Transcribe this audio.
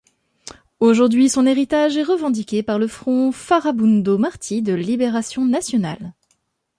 Aujourd'hui, son héritage est revendiqué par le Front Farabundo Martí de libération nationale.